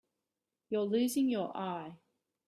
You're losing your eye.